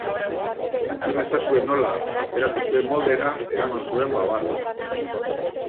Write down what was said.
Entzun ezazue nola aukeratu zuen moldera eraman zuen babarruna!